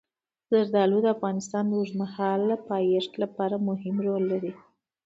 زردالو د افغانستان د اوږدمهاله پایښت لپاره مهم رول لري.